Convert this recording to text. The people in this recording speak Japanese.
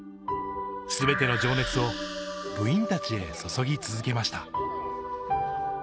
全ての情熱を部員たちへ注ぎ続けました。